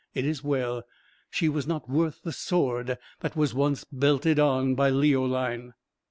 It is well! she was not worth the sword that was once belted on by Leoline."